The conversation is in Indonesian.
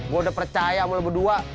gue udah percaya sama lo berdua